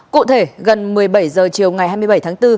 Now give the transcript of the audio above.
cụ thể gần một mươi bảy h chiều ngày hai mươi bảy tháng bốn